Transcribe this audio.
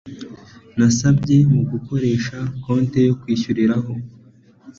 bisabwa mu gukoresha konti yo kwishyuriraho